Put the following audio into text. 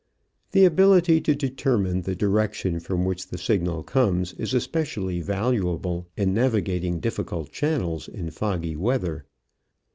The ability to determine the direction from which the signal comes is especially valuable in navigating difficult channels in foggy weather.